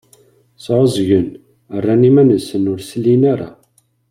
Sεuẓẓgen, rran iman-nsen ur d-slin ara.